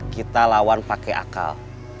kita lawan pakai akal